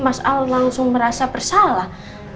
mas al langsung merasa bersalah